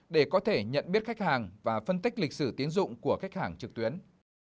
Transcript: để có thể nhận biết khách hàng và phân tích lịch sử tiến dụng của khách hàng trực tuyến